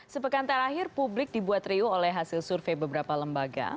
sepekan terakhir publik dibuat riu oleh hasil survei beberapa lembaga